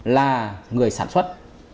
là người sản xuất